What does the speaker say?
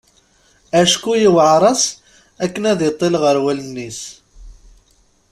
Acku yuɛer-as akke ad iṭil ɣer wallen-is.